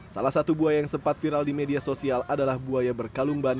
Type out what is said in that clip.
salah satu buaya yang sempat viral di media sosial adalah buaya berkalumban